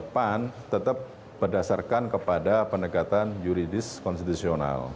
pan tetap berdasarkan kepada pendekatan yuridis konstitusional